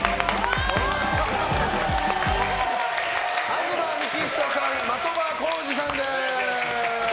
東幹久さん、的場浩司さんです！